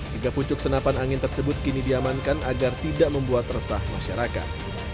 tiga pucuk senapan angin tersebut kini diamankan agar tidak membuat resah masyarakat